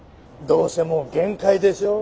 どうせもう限界でしょう。